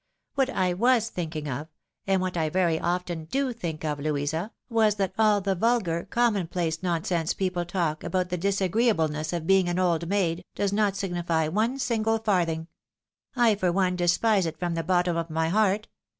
What I was thinking of, and what I very often do think of, Louisa, was that aU the vulgar, common place nonsense people talk, about the disagreeableness of being an old maid, does not signify one single farthing. I, for one, despise it from the bottom of my heart.